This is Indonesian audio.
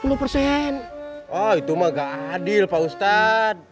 oh itu mah gak adil pak ustadz